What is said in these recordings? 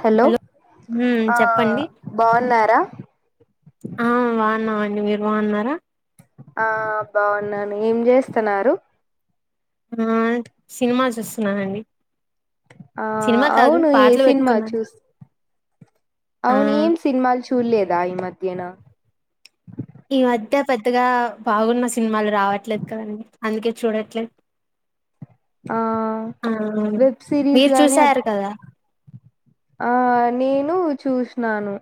Hello! మ్మ్ ఆ, చెప్పండి బావున్నారా? ఆ బావున్నామండి, మీరు బావున్నారా? ఆ, బావున్నాను. ఏం జేస్తున్నారు? ఆ, సినిమా చూస్తున్నానండి. ఆ సినిమా కాదు, అవును ఏ పాటలు సినిమా పెట్టుకున్నాను. చూస్ ఆ అవును, ఏం సినిమాలు చూడలేదా ఈ మధ్యన? ఈ మధ్య పెద్దగా బాగున్న సినిమాలు రావట్లేదు కదండి, అందుకే చూడట్లేదు. ఆ, ఆ వెబ్ సిరీస్ మీరు గానీ అట్ చూసారు కదా ఆ, నేను చూసినాను.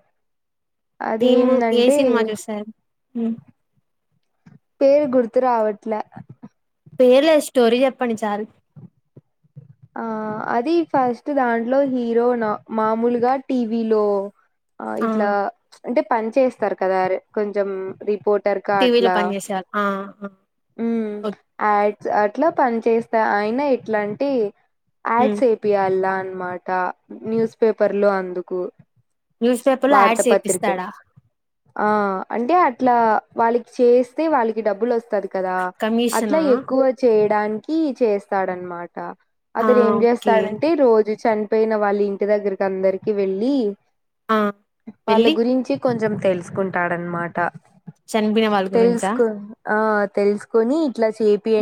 అది ఏము ఏ ఏందంటే? సినిమా చూసారు మ్మ్ పేరు, గుర్తు రావట్ల. పేర్లే, స్టోరీ చెప్పండి చాలు. ఆ, అది ఫస్ట్ దాంట్లో హీరో నా? మామూలుగా టీవీలో ఆ, ఇట్లా అంటే పని చేస్తారు కదా, కొంచెం రిపోర్ట్. టార్క్ టీవీలో అట్లా, పనిచేసేవాళ్ళు ఆ ఆ మ్మ్. ఓకే యాడ్ అట్లా పని చేస్తా, అయినా ఇట్లాంటి. మ్మ్ యాడ్స్ ఏపియ్యాలన్నమాట, న్యూస్‌పేపర్లలో అందుకు. న్యూస్ పేపర్ లో వార్త యాడ్స్ పత్రికలు, ఏపిస్తాడా ఆ. అంటే అట్లా వాళ్లకి చేస్తే, వాళ్లకి డబ్బులు వస్. వస్తాది కదా, అట్లా కమిషనా ఎక్కువ చేయడానికి చేస్తాడన్నమాట. ఆ అతడు ఏం ఓకే చేస్తాడంటే, రోజు చనిపోయిన వాళ్ల ఇంటి దగ్గరకి అందరికి వెళ్లి. ఆ వాళ్ల వెళ్ళి గురించి కొంచెం, తెలుసుకుంటాడన్నమాట. చనిపోయిన వాళ్ళ గురించా తెలుసుకోని, ఆ.. తెలుసుకొని, ఇట్లా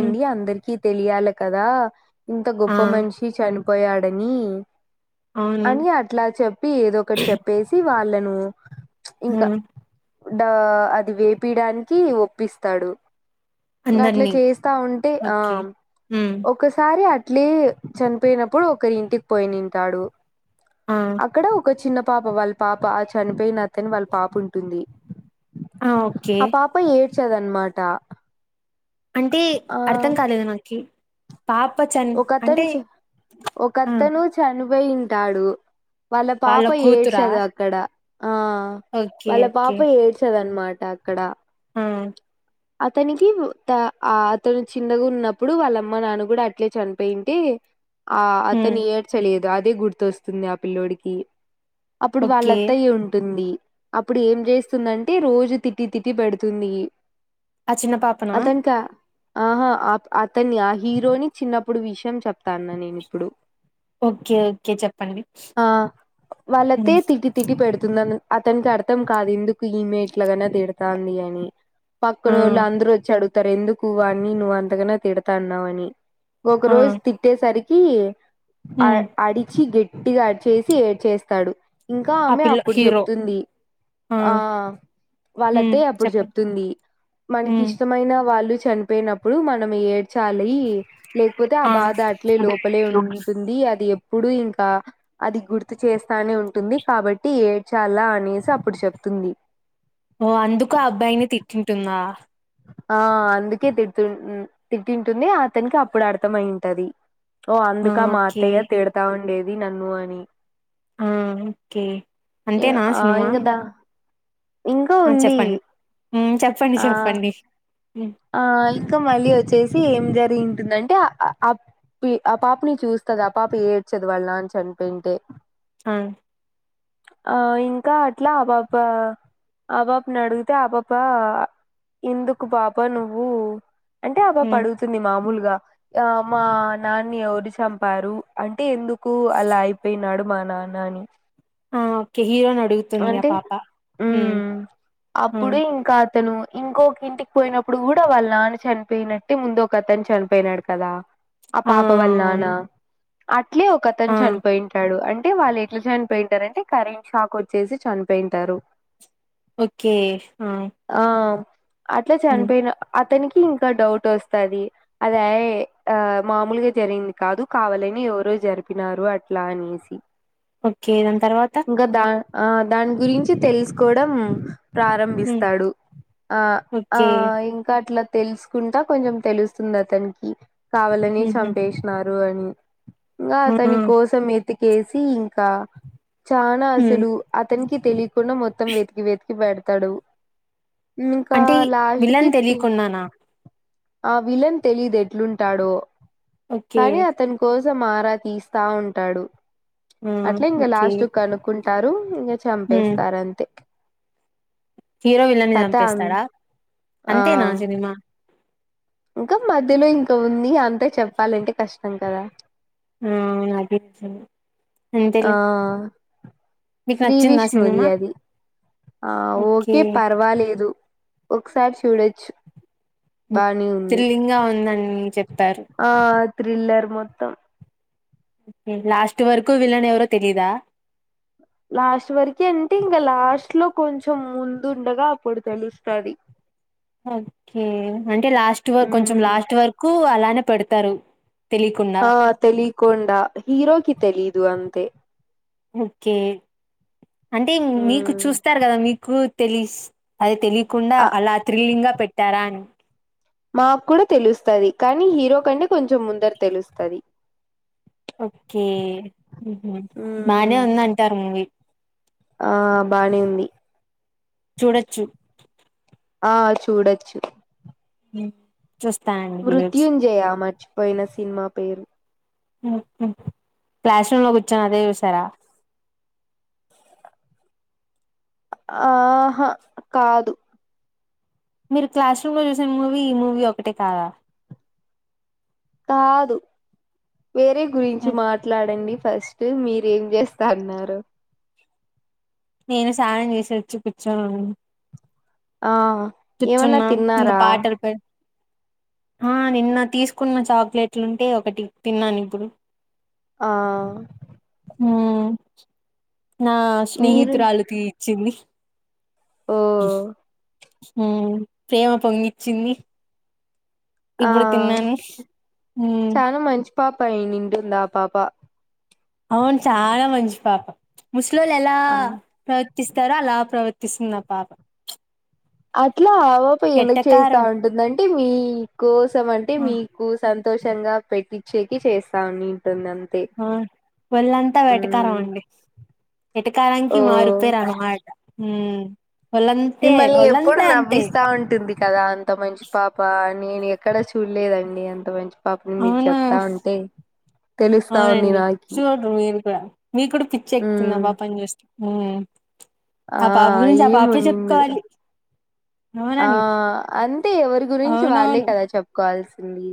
హ్మ్. అందరికీ తెలియాల కదా. ఇం గొప్ప ఆ మనిషి, చనిపోయాడని. అవును అని అట్లా చెప్పి, ఏదో ఒకటి చెప్పేసి వాళ్లను. ఉమ్మ్. డా, అది వేపియడానికి ఒప్పిస్తాడు. ఇగ అట్లా అందరినీ చేస్తా ఉంటే, ఆ ఓకే హ్మ్ ఒకసారి అట్లే. చనిపోయినప్పుడు ఒకరి ఇంటికి పొన్నింటాడు. ఆ అక్కడ ఒక చిన్న. పాపం, వాళ్ల పాప చనిపోయినట్. అతన్ వాళ్ల పాప ఉంటుంది. ఆ ఓకే ఆ పాప ఏడ్చదన్నమాట. అంటే, అర్థం కాలేదు నాకి. పాప చన్ ఓ కథన్ అంటే చ్, ఓ ఆ కథను చను. వేయింటాడు. వాళ్ల వాళ్ళ పాప కూతురా ఏడ్చదు అక్కడ. ఆ, ఓకే వాళ్ల పాప ఏడ్చదు అన్నమాట అక్కడ. ఉమ్మ్. అతనికి త ఆ అతను చిన్నగా ఉన్నప్పుడు వాళ్ళమ్మ నాన్న కూడా అ ఇట్లే చనిపోయుంటే, హ్మ్ అతను ఏడ్చలేదు. అదే గుర్తొస్తుంది. ఆ పిల్లోడికి అప్పుడు వాళ్ల ఓకే అత్తయ్య ఉంటుంది. అప్పుడు ఏం చేస్తుందంటే, రోజు తిట్టి తిట్టి పెడుతుంది. ఆ చిన్న పాపనా? అతనికి ఆహా! అప్ అతన్ని, ఆ హీరోని చిన్నప్పుడు విషయం చెప్తా అన్న నేను ఇప్పుడు. ఓకే ఓకే చెప్పండి ఆ, వాళ్ల హ్మ్ అత్తయ్య తిట్టి తిట్టి పెడుతుంది నన్ను. అతనికి అర్థం కాదు, ఎందుకు ఈమె ఇట్లగన్నా తిడతంది అని. ఆ పక్కనోళ్లందరూ వచ్చి అడుగుతారు, ఎందుకు వాణ్ని నువ్వు అంతగాన తిడతా అన్నావని. ఒక ఆ రోజు తిట్టేసరికి, హ్మ్ అడిచి గట్టి. గట్టిగా అరిచి చేసి ఏడ్ చేేస్తాడు. ఇంకా ఆ ఆమె పిల్ల అప్పుడు హీరో చెప్తుంది. ఆ, వాళ్ల హ్మ్ అత్తయ్య అప్పుడు చెప్పండి చెప్తుంది, మనకి హ్మ్ ఇష్టమైన వాళ్లు.. చనిపోయినప్పుడు మనం ఏడ్చాలి. లేకపోతే ఆ బాధ అట్లే లోపలే ఉంటుంది అది ఇప్పుడు ఇంకా అది గుర్తు చేస్తానే ఉంటుంది కాబట్టి ఏడ్చాల అనేసి అప్పుడు చెప్తు ఉంది ఓ అందుకు ఆ అబ్బాయిని తిట్టింటుందా ఆ అందుకే తిట్తు తిట్టింటుంది అతనికి అప్పుడు అర్థం అయింటది ఓ ఆ అందుకా మా ఓకే అత్తయ్య తిడతా ఉండేది నన్ను అని ఆ ఓకే ఏ అంతేనా ఆ సినిమా ఇంగదా ఆ చెప్పండి హ్మ్ చెప్పండి ఆ చెప్పండి హ్మ్ ఆ ఇంకా మళ్ళీ వచ్చేసి ఏం జరిగింటుందంటే అ ఆ అప్ పి ఆ పాపని చూస్తది ఆ పాప ఏడ్చదు వాళ్ళ నాన్న చనిపోయింటే ఆ ఆ ఇంకా అట్లా ఆ పాప ఆ పాపని అడుగుతే ఆ పాప ఎందు కు పాప నువ్వు అంటే ఆ పాప హ్మ్ అడుగుతుంది మామూలు గ ఆ మా నాన్ని ఎవరు చంపారు అంటే ఎందుకు అలా అయిపేయినాడు మా నాన్న అని ఆ ఓకే హీరోని అడుగుతుంది ఆ అంటే పాప ఉమ్ హ్మ్ అప్పుడు ఇంకా అతను ఇంకొక ఇంటికి పోయినప్పుడు కూడా వాళ్ళ నాన్న చనిపోయినట్టే ముందు ఒక అతను చనిపోయినాడు కదా ఆ పాప వల్ నాన్నా అట్లే ఒక ఆ అతను చనిపోయింటాడు అం టే వాళ్ళు ఎట్లా చనిపోయింటారు అంటే కరెంట్ షాక్ వచ్చేసి చనిపేయింటారు ఓకే హా అట్లా చనిపోయిన అతనికి ఇంకా డౌట్ వస్తది అది ఏయ్ ఆ మామూలుగా జరిగింది కాదు, కావాలని ఎవరో జరిపినారు అట్లా అనేసి ఓక్కే దాని తర్వాత ఇంకా దా ఆ దాని గురించి తెలుసుకోవడం హ్మ్ ప్రారంభిస్తాడు ఆ ఆ ఓకే. ఇంకా అట్ల తెలుసుకుంటా కొంచెం తెలుస్తుంది అతనికి కావాలని హుహు. చంపేసినారు అని ఇంగా ఆహా! అతని కోసం వెతికేసి ఇం కా చానా హ్మ్ అసలు అతనికి తెలియకుండా మొత్తం వెతికి వెతికి పెడ్ తడు ఇంకా లాస్ట్ కి విల్లన్ తెలియకున్నానా ఆ విలన్ తెలీదు ఎట్లుంటాడో ఓకే. కానీ అతని కోసం సం ఆరా తీస్తా ఉంటాడు ఆ అట్లే ఇంకా ఓకే. లాస్ట్ కనుక్కుంటారు ఇంకా హ్మ్ చంపేస్తారు అంతే హీరో విలన్ని కథ చంపేస్తాడా అంతేనా ఆ సినిమా ఇంకా మధ్యలో ఇంకా ఉంది అంతా చెప్పాలంటే కష్టం కదా ఊ అది ఇచ్చేను ఆ మీకు శ్రీ నచ్చిందా విష్ణుది సినిమా? అది ఆ ఓకే పర్వాలేదు ఒకసారి చూడొచ్చు హ్మ్ బానే ఉంది థ్రిల్లింగ్‌గా ఉందని చెప్పారు. ఆ థ్రిల్లర్ మొత్తం నీకు లాస్ట్ వరకు విలన్ ఎవరో తెలీదా లాస్ట్ వరకే అంటే ఇంకా లాస్ట్ లో కొంచెం ముందుండగా అప్పుడు తెలుస్తది ఓకే అంటే లాస్ట్ వ కొంచం మ్మ్ లాస్ట్ వరకు అలానే పెడతారు తెలియకుండా ఆ తెలీకుండ హీరోకి తెలీదు అంతే ఓకే అంటే మీకు మ్మ్ చూస్తారు గదా మీకు కు తెలిస్ అది తెలియకుండా ఆ అలా థ్రిల్లింగ్ గా పెట్టారా అని మాకు గూడా తెలుస్తది కానీ హీరో కంటే కొంచెం ముందర తెలుస్తది ఓకే ఊహు మ్మ్ బానే ఉంది అంటారు మూవీ ఆ బానే ఉంది చూడొచ్చు ఆ చూడొచ్చు ఉ మృత్యుంజయ మర్చిపోయిన సినిమా పేరు క్లాస్ రూమ్ లో కూర్చొని అదే చూసారా [inaudible] ఆహా కాదు మీరు క్లాస్ రూమ్ లో చూసిన మూవీ ఈ మూవీ ఒకటే కాదా కాదు వేరే గురించి మాట్లాడండి ఫస్ట్ మీరూ ఏం జేస్తన్నారు నేను స్నానం జేసొచ్చి కూర్చోనున్నా ఆ ఏమన్నా కూర్చున్న ఇంకా తిన్నారా పాటలు పెట్ ఆ నిన్న తీసుకున్న చాక్లెట్లు ఉంటే ఒకటి తిన్నాను ఇప్పుడు ఆ ఊ నా మీరు స్నేహితురాళ్ళకి ఇచ్చింది ఓ ఊ ప్రేమ పొంగి ఇచ్చింది ఆ మ్మ్ చానా మంచి పాప అయిటుంది పాపా అవును చాలా మంచి పాప ముస్లోలు ఎలా ఆ వర్తిస్తారో అలా ప్రవర్తిస్తుంది ఆ పాప అ యా ఓపి ఎందుకు చేస్తా ఎట్టకారం అంటుందంటే మీ కోసం అంటే ఆ మీకు సంతోషంగా పెట్టి చెకి చేస్తాని ఆ ఒళ్ళంతా వెటకారం మ్మ్ అండి వెటకారానికి ఓ మారుపేరు అమ్మాయి ఊ మిమ్మల్ని ఎప్పుడు నవ్విస్తా ఉంటుంది కదా అంత మంచి పాప నేను ఎక్కడ చూడలేదండి డి అంత మంచి పాపని మీరు అవునా చెప్తా ఉంటే తెలుస్తా ఉంది అవునండి నాకి చూడరు మీరు కూడా మీకు గూడా పిచ్చి ఎక్తుందా హ్మ్ బాగా పని చేస్తుం ఆ పాప గురించి ఆ ఏమో పాపే నిన్ను చెప్పుకోవాలి ఆ అవునండి అంతే ఎవరి గురించి వాళ్ళే అవునవును కదా చెప్పుకోవాల్సింది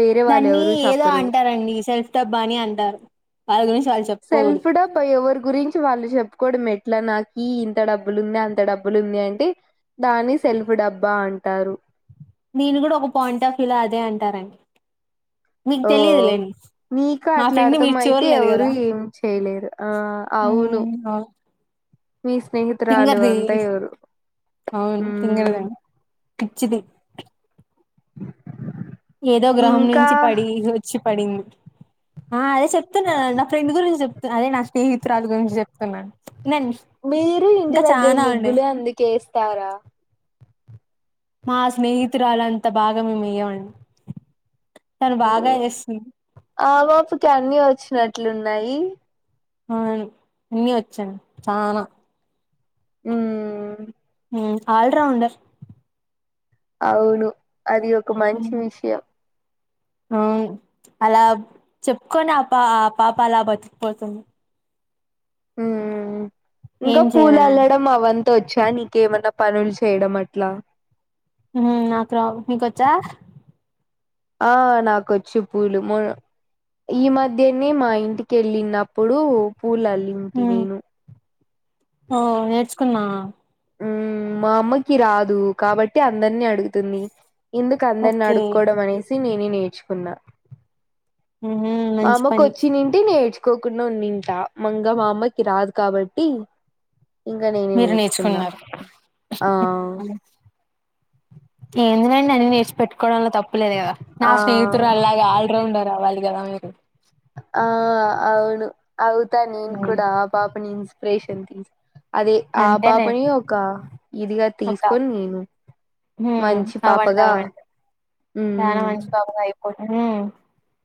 వేరే వాళ్ళు దాన్ని ఎవరు ఏదో చెప్పరు అంటారండి సెల్ఫ్ డబ్బా అని అంటారు వాళ్ళ గురించి వాళ్ళు చెప్పుకోకూడదు సెల్ఫ్ డబ్బా ఎవరు గురించి వాళ్ళు చెప్పుకోవడం ఎట్ల నాకి ఇంత డబ్బులు ఉంది అంత డబ్బులు ఉంది అంటే దాని సెల్ఫ్ డబ్బా అంటారు నేను గూడా ఒక పాయింట్ ఆఫ్ వ్యులో అదే అంటారండి మీకు ఓ తెలియదులేండి నీకు మా అట్లా ఫ్రెండ్ అర్థం మీరు అయితే చూడలేదు ఎవరు గదా ఏం చేయలేరు ఆ అవును మీ స్నేహితురాలు తింగర్ది అంతా ఎవరు అవును మ్ తింగరదండి పిచ్చిది [inaudible] ఏదో గ్రహణం ఇంకా నుంచి పడి వచ్చి పడింది ఆ అదే చెప్తున్నాను నా ఫ్రెండ్ గురించి చెప్తు అదే నా స్నేహితురాలు గురించి చెప్తున్నాను వినండి మీరు ఇంటి ఇంకా దగ్గర చానా అండి ముగ్గులు అందుకే ఎస్తారా మా స్నేహితురాలుంతా బాగా మేము వేయమండి తను బాగా వేస్తుంది ఆ ఓపిక అన్ని వచ్చినట్లు ఉన్నాయి అవును అన్నీ వచ్చుఅండి చానా ఊ ఉమ్ ఆల్ రౌండర్ అవును అది ఒక మంచి విషయం ఆ అలా చెప్పుకొని ఆ పా ఆ పాప అలా బతికిపోతుంది ఉమ్ ఏం ఇంకా పూల చేయలేనండి అల్లడం అవన్ని వచ్చా నీకేమన్నా పనులు చేయడం అట్లా ఉమ్ నాకు రావు నీకొచ్చా ఆ నా కొచ్చు పూలు మ ఈ మధ్యనే మా ఇంటికెళ్ళినప్పుడు పూలల్లింటి నేను ఓ నేర్చుకున్నావా ఉమ్ మా అమ్మకి రాదు కాబట్టి అందరినీ అడుగుతుంది ఎందుకు అందరిని ఓకే అడుక్కోవడం అనేసి నేనే నేర్చుకున్నా ఉహు మా మంచి అమ్మకు పని వచ్చింటే నేర్చు కోకుండా ఉంన్నింట మంగ మా అమ్మకి రాదు కాబట్టి ఇంకా నేనే మీరు నేర్చుకున్నా నేర్చుకున్నారు ఆ ఎందునండి అన్ని నేర్చి పెట్టుకోవడంలో తప్పులేదు గదా నా ఆ స్నేహితుడు అలాగే ఆల్రౌండర్ వాళ్ళకి ద మీ [unintelligible] ఆ అవును అవుతా నేను ఉమ్ కూడా ఆ పాపని ఇన్స్పిరేషన్ తీసి అదే ఆ అంతేలే పాపనీ ఒకా ఒక ఉమ్ మంచి అవ్వండి పాపగా అవ్వండి చాలా మ్మ్ మంచి పాపగా అయిపోయి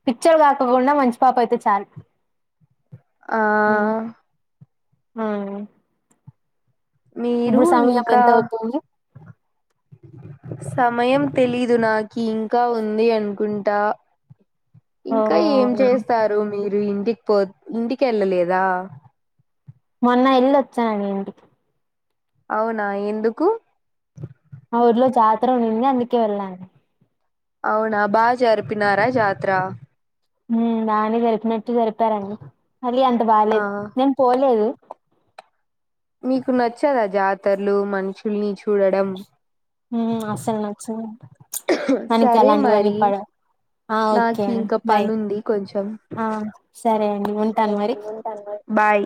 పిచ్చోల్ గాకుండా మంచి పాప అయితే చాలు ఆ హ్మ్. ఆ మీరు ఇప్పుడు సమయం ఇంకా ఎంతవుతుంది? సమయం తెలీదు నాకి ఇంకా ఉంది అనుకుంటా ఇంకా ఓహ్! ఏం అవునా! చేస్తారు మీరు ఇంటికి పో ఇంటికెళ్ళలేదా మొన్న యెల్లి వచ్చాను ఇంటికి అవునా ఎందుకు మా ఊర్లో జాతర ఉండింది అందుకే వెళ్ళాను అవునా బాగా జరిపినారా జాతర ఉమ్ రాని జరిపినట్టు జరిపారండి మళ్ళీ అంత ఆ బాలేదు నేను పోలేదు మీకు నచ్చదా జాతరలు మనుషుల్ని చూడడం ఉమ్ అసలు నచ్చదు మనకి సరే అలాంటివన్నీ మరి పడవ్ ఆ ఓకే నాకు అండి ఇంకా బాయ్ పనుంది కొంచెం ఆ ఆ సరే అండి సరే ఉంటాను మరి అండి ఉంటాను మరి బాయ్